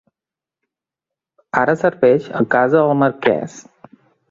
Ara serveix a casa del marquès.